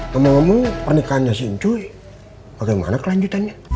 ngomong ngomong pernikahannya si incu bagaimana kelanjutannya